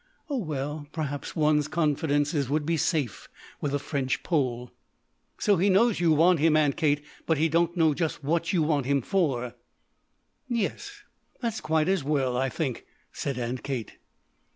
"Oh, well perhaps one's confidences would be safe with a French Pole." "So he knows you want him, Aunt Kate, but he don't know just what you want him for." "Yes; that's quite as well, I think," said Aunt Kate.